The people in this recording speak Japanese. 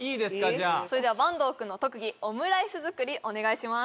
じゃあそれでは坂東君の特技オムライス作りお願いします